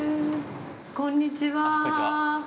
こんにちは。